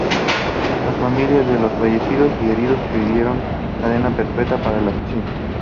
Los familiares de los fallecidos y heridos pidieron cadena perpetua para el asesino.